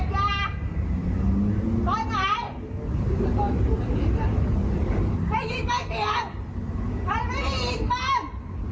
ว่าไงมันมามันแสดงการ